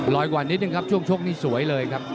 กว่านิดนึงครับช่วงชกนี่สวยเลยครับ